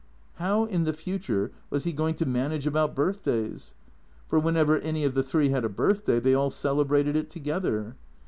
How, in the future, was he going to manage about birthdays? Tor, whenever any of the three had a birthday, they all celebrated it together.